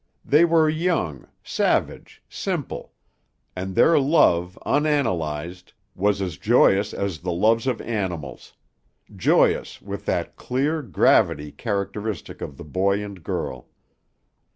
They were young, savage, simple, and their love, unanalyzed, was as joyous as the loves of animals: joyous with that clear gravity characteristic of the boy and girl.